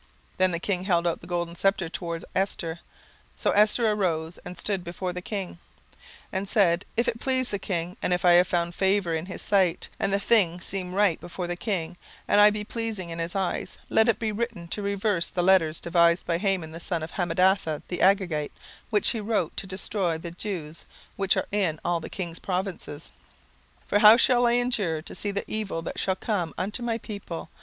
17:008:004 Then the king held out the golden sceptre toward Esther. So Esther arose, and stood before the king, 17:008:005 And said, If it please the king, and if I have favour in his sight, and the thing seem right before the king, and I be pleasing in his eyes, let it be written to reverse the letters devised by Haman the son of Hammedatha the Agagite, which he wrote to destroy the Jews which are in all the king's provinces: 17:008:006 For how can I endure to see the evil that shall come unto my people?